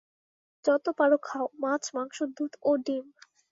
যত পারো খাও মাছ, মাংস, দুধ ও ডিম।